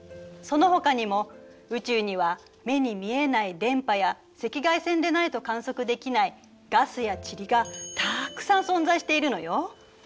そのほかにも宇宙には目に見えない電波や赤外線でないと観測できないガスや塵がたくさん存在しているのよ。